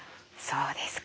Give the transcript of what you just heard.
そうですか。